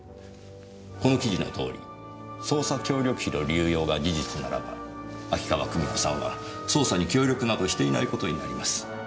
この記事のとおり捜査協力費の流用が事実ならば秋川久美子さんは捜査に協力などしていない事になります。